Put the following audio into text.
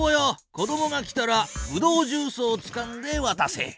子どもが来たらブドウジュースをつかんでわたせ。